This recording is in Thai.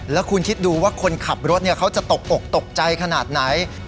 แล้วคุณคิดดูว่าคนขับรถเขาจะตกอกตกใจขนาดไหน